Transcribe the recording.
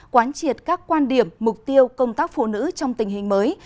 quán triệt các quan điểm mục tiêu công tác phụ nữ trong tình hình mới